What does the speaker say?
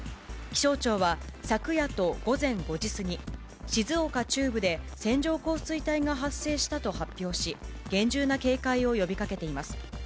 気象庁は、昨夜と午前５時過ぎ、静岡中部で線状降水帯が発生したと発表し、厳重な警戒を呼びかけています。